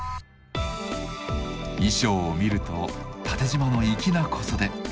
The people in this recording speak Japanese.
衣装を見ると縦じまの粋な小袖。